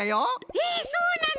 えそうなの？